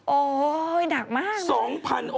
โอ้ยหนักมาก